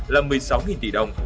là một mươi sáu tỷ đồng